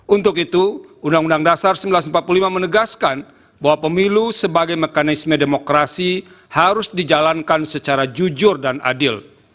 untuk itu undang undang dasar seribu sembilan ratus empat puluh lima menegaskan bahwa pemilu sebagai mekanisme demokrasi harus dijalankan secara jujur dan adil